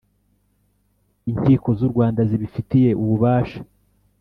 inkiko z’u rwanda zibifitiye ububasha